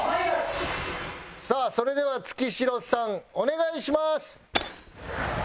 さあそれでは月城さんお願いします。